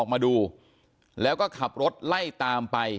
ก็ได้รู้สึกว่ามันกลายเป้าหมาย